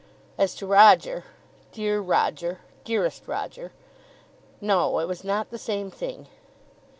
As to Roger, dear Roger, dearest Roger, no; it was not the same thing.